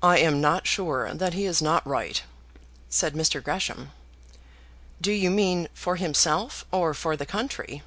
"I am not sure that he is not right," said Mr. Gresham. "Do you mean for himself or for the country?"